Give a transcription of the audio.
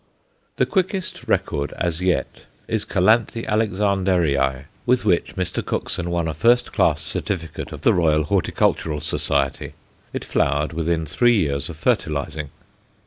The quickest record as yet is Calanthe Alexanderii, with which Mr. Cookson won a first class certificate of the Royal Horticultural Society. It flowered within three years of fertilizing.